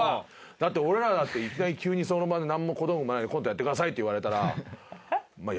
だって俺らだっていきなり急にその場でなんも小道具もないのにコントやってくださいって言われたら。